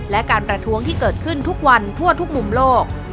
และการประท้วงที่เกิดขึ้นทุกวันทั่วทุกมุมโลก